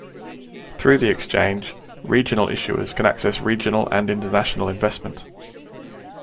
Through the exchange, regional issuers can access regional and international investment.